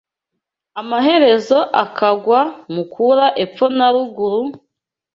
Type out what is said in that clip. amaherezo akagwa mu kubura epfo na ruguru,